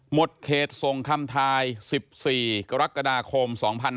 เขตส่งคำทาย๑๔กรกฎาคม๒๕๕๙